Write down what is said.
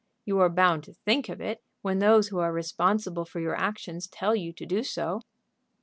"You are bound to think of it when those who are responsible for your actions tell you to do so."